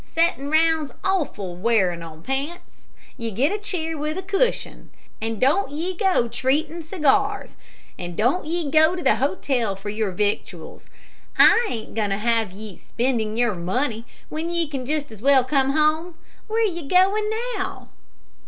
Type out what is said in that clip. Settin' round's awful wearin' on pants. You get a chair with a cushion. And don't ye go treatin' cigars. And don't ye go to the hotel for your victuals. I ain't goin' to have ye spendin' your money when ye can just as well come home. Where ye goin' now?"